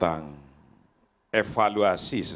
jangan lupa sekitar top lima